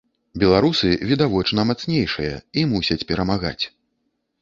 Беларусы, відавочна, мацнейшыя, і мусяць перамагаць.